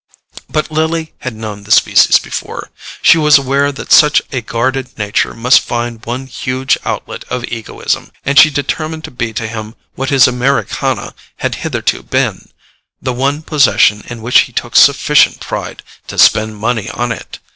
But Lily had known the species before: she was aware that such a guarded nature must find one huge outlet of egoism, and she determined to be to him what his Americana had hitherto been: the one possession in which he took sufficient pride to spend money on it.